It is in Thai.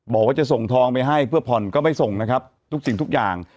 บอกว่าจะส่งทองไปให้เพื่อผ่อนก็ไม่ส่งนะครับทุกสิ่งทุกอย่าง